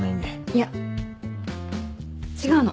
いや違うの。